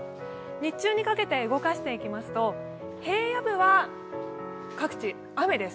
日中にかけて動かしていきますと平野部は各地、雨です。